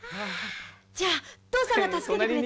「じゃあ父さんが助けてくれたの？」